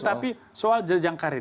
tapi soal jenjang karir